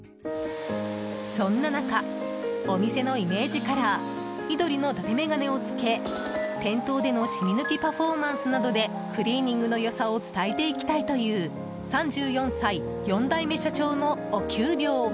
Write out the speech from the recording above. そんな中、お店のイメージカラー緑の伊達眼鏡を着け店頭での染み抜きパフォーマンスなどでクリーニングの良さを伝えていきたいという３４歳、４代目社長のお給料は。